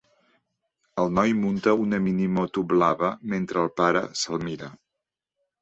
El noi munta una minimoto blava mentre el pare se'l mira.